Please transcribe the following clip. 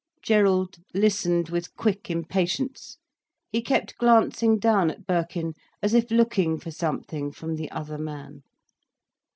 Gerald listened with quick impatience. He kept glancing down at Birkin, as if looking for something from the other man.